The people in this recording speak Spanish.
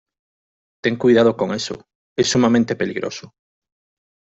Ten cuidado con eso. Es sumamente peligroso .